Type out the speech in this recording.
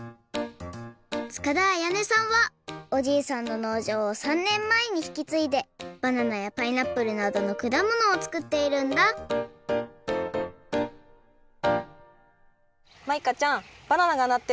塚田彩音さんはおじいさんののうじょうを３ねんまえにひきついでバナナやパイナップルなどのくだものを作っているんだマイカちゃんバナナがなっているとこ